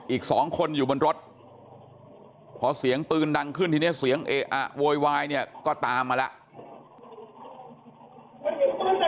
อีก๒คนอยู่บนรถเพราะเสียงปืนดังขึ้นที่นี่เสียงโวยวายก็ตามมาแล้ว